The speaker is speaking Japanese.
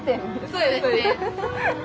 そうですね。